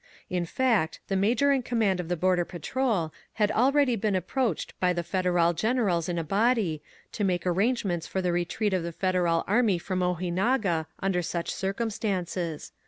In fact, the major in command of the Border Patrol had already been approached by the Federal generals in a body to make arrangements for the retreat of the Federal army from Ojinaga under such circumstances.